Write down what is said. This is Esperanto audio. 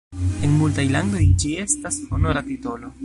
En multaj landoj, ĝi estas honora titolo.